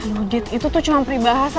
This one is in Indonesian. no dit itu tuh cuma peribahasa